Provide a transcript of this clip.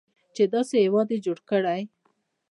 چې داسې هیواد یې جوړ کړی.